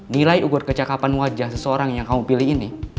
nilai ukur kecakapan wajah seseorang yang kamu pilih ini